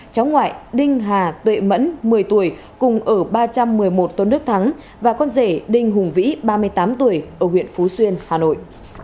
cháu ngoại đinh hà tuệ mẫn một mươi tuổi cùng ở ba trăm một mươi một tôn đức thắng và con rể đinh hùng vĩ ba mươi tám tuổi ở huyện phú xuyên hà nội